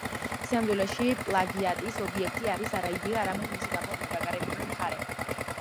სინამდვილეში, პლაგიატის ობიექტი არის არა იდეა, არამედ მისი გაფორმება, გარეგნული მხარე.